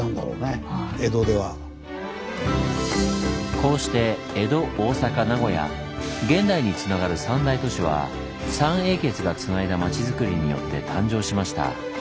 こうして江戸大坂名古屋現代につながる三大都市は三英傑がつないだ町づくりによって誕生しました。